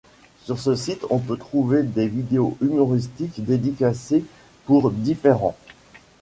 Sur ce site, on peut trouver des vidéos humoristiques dédicacées pour différents.